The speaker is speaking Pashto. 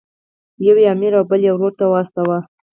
یو یې امیر او بل یې ورور ته واستاوه.